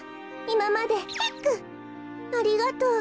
いままでヒックありがとう。